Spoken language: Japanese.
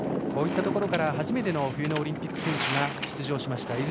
こういったところから初めての冬のオリンピック選手が登場しました。